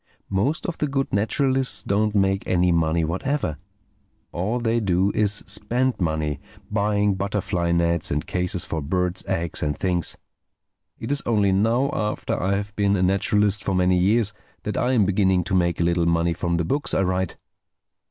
Most of the good naturalists don't make any money whatever. All they do is spend money, buying butterfly nets and cases for birds' eggs and things. It is only now, after I have been a naturalist for many years, that I am beginning to make a little money from the books I write."